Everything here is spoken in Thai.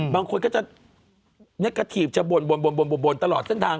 บางคนก็จะกระถีบจะบ่นตลอดเส้นทาง